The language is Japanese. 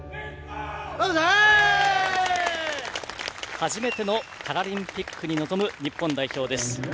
初めてのパラリンピックに臨む日本代表です。